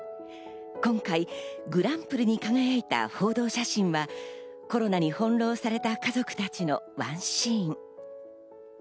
今回グランプリに輝いた報道写真は、コロナにほんろうされた家族たちのワンシーン。